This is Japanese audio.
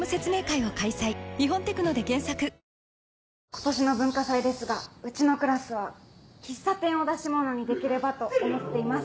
今年の文化祭ですがうちのクラスは喫茶店を出し物にできればと思っています。